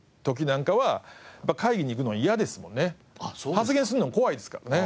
発言するのも怖いですからね。